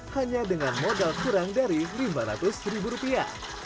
hanya dengan modal kurang dari lima ratus ribu rupiah